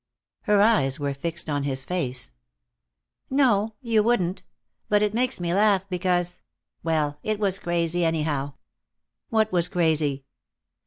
Her eyes were fixed on his face. "No. You wouldn't. But it makes me laugh, because well, it was crazy, anyhow." "What was crazy?"